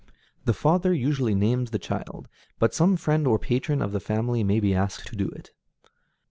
The father usually names the child, but some friend or patron of the family may be asked to do it.